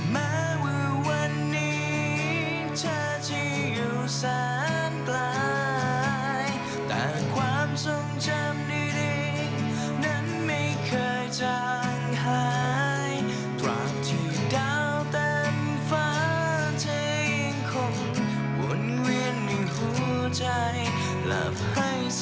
แม้ว่าวันนี้เธอจะอยู่ส่างกลาย